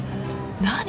何？